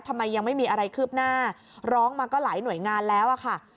ทำไมยังไม่มีอะไรคืบหน้าร้องมาก็หลายหน่วยงานแล้วอะค่ะ